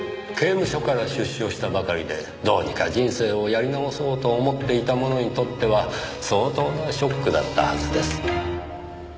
刑務所から出所したばかりでどうにか人生をやり直そうと思っていた者にとっては相当なショックだったはずです。